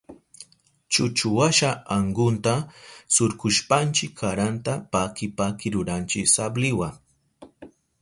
Chuchuwasha ankunta surkushpanchi karanta paki paki ruranchi sabliwa.